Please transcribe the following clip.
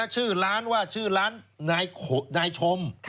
ชื่อร้านว่าชื่อร้านนายชม